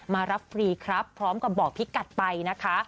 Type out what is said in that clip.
มารับฟรีครับพร้อมกับบอกพี่กัดไปนะคะ